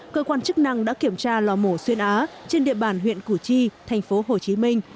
cơ quan chức năng đã kiểm tra lò mổ xuyên á trên địa bàn huyện củ chi thành phố hồ chí minh